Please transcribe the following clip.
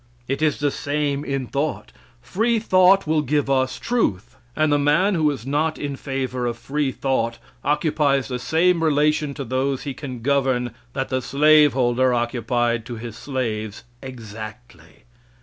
It is the same in thought. Free thought will give us truth; and the man who is not in favor of free thought occupies the same relation to those he can govern that the slaveholder occupied to his slaves, exactly.